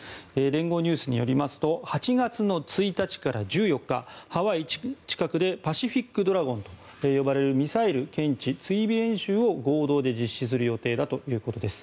連合ニュースによりますと８月の１日から１４日ハワイ近くでパシフィック・ドラゴンと呼ばれるミサイル検知・追尾演習を合同で実施する予定だということです。